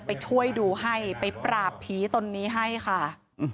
ไปช่วยดูให้ไปปราบผีตนนี้ให้ค่ะ